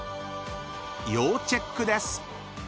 ［要チェックです！］